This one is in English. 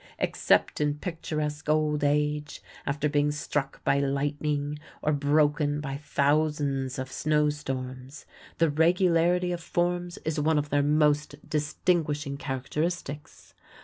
Except in picturesque old age, after being struck by lightning or broken by thousands of snow storms, the regularity of forms is one of their most distinguishing characteristics.